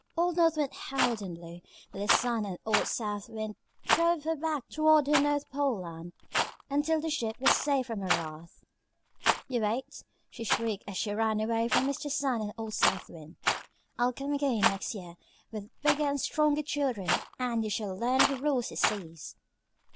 Old North Wind howled and blew, but the Sun and old South Wind drove her back toward her North Pole Land until the ship was safe from her wrath. "You wait," she shrieked as she ran away from Mr. Sun and old South Wind. "I'll come again next year with bigger and stronger children and you shall learn who rules the seas."